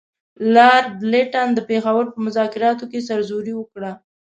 لارډ لیټن د پېښور په مذاکراتو کې سرزوري وکړه.